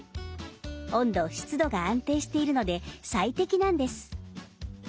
温度湿度が安定しているので最適なんです。